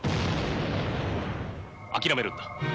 諦めるんだ。